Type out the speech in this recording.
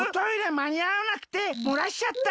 まにあわなくてもらしちゃった。